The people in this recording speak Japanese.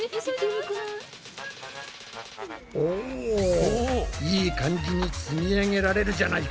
おいい感じに積み上げられるじゃないか。